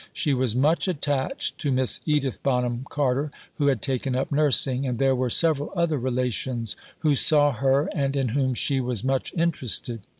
She was much attached to Miss Edith Bonham Carter, who had taken up nursing, and there were several other relations who saw her and in whom she was much interested.